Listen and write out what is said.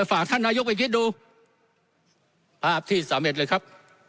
ฝากท่านนายกไปคิดดูภาพที่สำเร็จเลยครับ